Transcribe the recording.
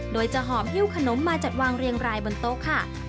โดยจะหอมหิ้วขนมมาจัดวางเรียงรายบนโต๊ะค่ะ